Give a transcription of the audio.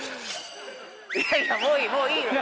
いやいやもういい。